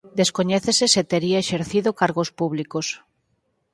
Descoñécese se tería exercido cargos públicos.